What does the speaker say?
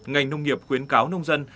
ngành nông nghiệp khuyến cáo nông dân